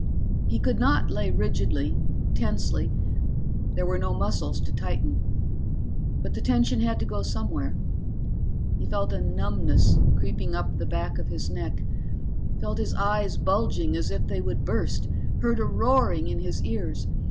He could not lay rigidly, tensely there were no muscles to tighten. But the tension had to go somewhere. He felt a numbness creeping up the back of his neck, felt his eyes bulging as if they would burst, heard a roaring in his ears.